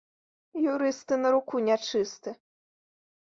Юрысты на руку нячысты